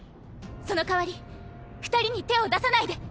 そのかわり二人に手を出さないで。